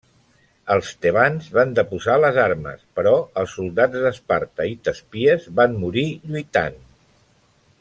Els tebans van deposar les armes però els soldats d'Esparta i Tèspies van morir lluitant.